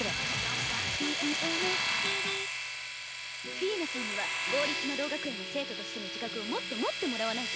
フィーネさんには王立魔導学園の生徒としての自覚をもっと持ってもらわないと。